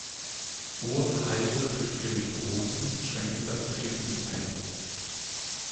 Hohe Preise für Spirituosen schränken das Trinken ein.